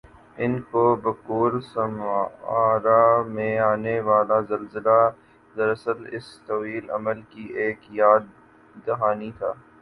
ان کی بقول سمارا میں آنی والازلزلہ دراصل اس طویل عمل کی ایک یاد دہانی تھا